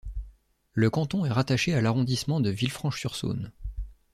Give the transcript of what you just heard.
Le canton est rattaché à l’arrondissement de Villefranche-sur-Saône.